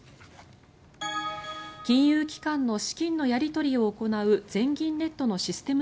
金融機関の資金のやり取りを行う全銀ネットのシステム